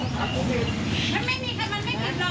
ของอยู่ว่าเด็กมันไม่ค่อยเจอไม่ค่อยเจอคนอย่างนี้